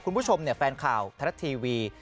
คุณผู้ชมแฟนข่าวทะลัดทีวี